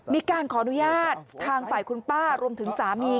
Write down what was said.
มีการขออนุญาตทางฝ่ายคุณป้ารวมถึงสามี